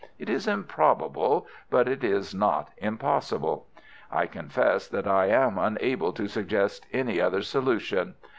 It is improbable, but it is not impossible. I confess that I am unable to suggest any other solution.